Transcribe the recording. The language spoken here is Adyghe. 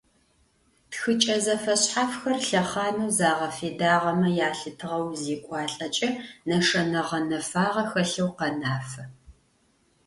Тхыкӏэ зэфэшъхьафхэр лъэхъанэу загъэфедагъэмэ ялъытыгъэу узекӏуалӏэкӏэ, нэшэнэ гъэнэфагъэ хэлъэу къэнафэ.